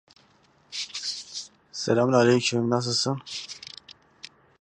Nefret wekî pençeşêrê ye, dilî diperpitîne.